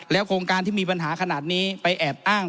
โครงการที่มีปัญหาขนาดนี้ไปแอบอ้าง